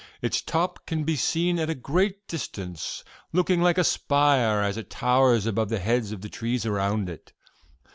Its top can be seen at a great distance, looking like a spire as it towers above the heads of the trees around it.